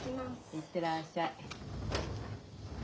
行ってらっしゃい。